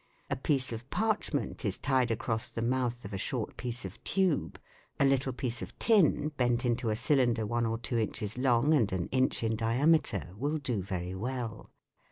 A piece of parchment is tied across the mouth of a short piece of tube a little piece of tin, bent into a cylinder one or two inches long and an inch in diameter, will do very well.